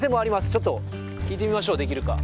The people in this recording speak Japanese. ちょっと聞いてみましょうできるか。